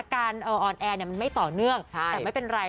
การออนแอร์มันไม่ต่อเนื่องแต่ไม่เป็นไร